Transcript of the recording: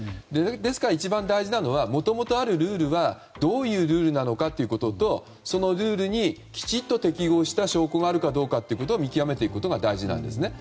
ですから一番大事なのはもともとあるルールはどういうことなのかということとそのルールにきちんと適合した証拠があるかということを見極めていくことが大事なんですね。